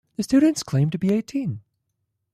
The students claimed to be eighteen.